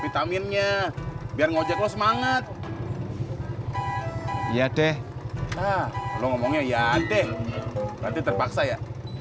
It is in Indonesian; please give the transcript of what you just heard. itha amin nya biar ngajak semangat iya deh nggak ngomongnya ya deh berarti terpaksa ya